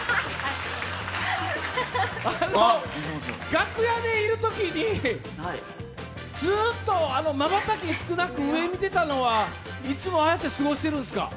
楽屋でいるときに、ずっと瞬き少なく上見てたのは、いつもああやって過ごしてるんですか？